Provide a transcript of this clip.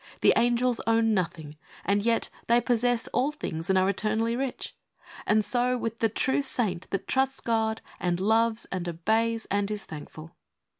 The angels own nothing and yet they possess all things and are eternally rich. And so with the true saint that trusts God and loves and obeys and is thankful.